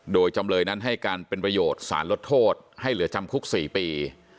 โดยจำเลยนั้นให้การเป็นประโยชน์สารลดโทษให้เหลือจำคุก๔ปี